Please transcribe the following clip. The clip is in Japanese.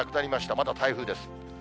まだ台風です。